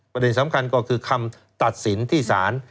ประเด็นสำคัญก็คือคำตัดสินที่ศาล